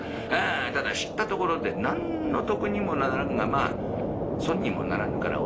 ただ知ったところで何の得にもならんがまあ損にもならぬから教えてやるかの。